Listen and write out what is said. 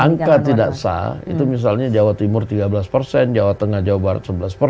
kalau di angka tidak sah itu misalnya jawa timur tiga belas jawa tengah jawa barat sebelas